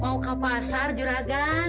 mau ke pasar juragan